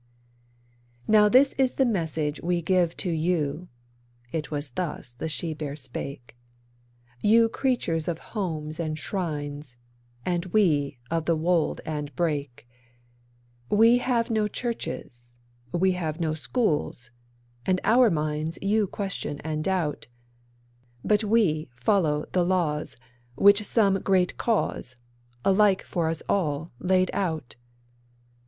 'Now this is the message we give to you' (it was thus the she bear spake): 'You the creatures of homes and shrines, and we of the wold and brake, We have no churches, we have no schools, and our minds you question and doubt, But we follow the laws which some Great Cause, alike for us all, laid out.